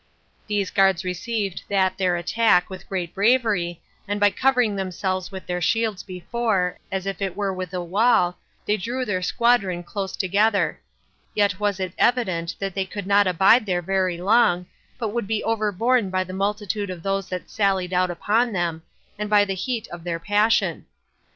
These guards received that their attack with great bravery, and by covering themselves with their shields before, as if it were with a wall, they drew their squadron close together; yet was it evident that they could not abide there very long, but would be overborne by the multitude of those that sallied out upon them, and by the heat of their passion.